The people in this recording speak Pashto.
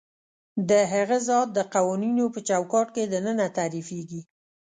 د هغه ذات د قوانینو په چوکاټ کې دننه تعریفېږي.